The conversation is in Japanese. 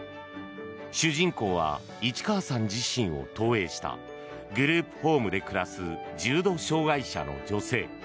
主人公は市川さん自身を投影したグループホームで暮らす重度障害者の女性。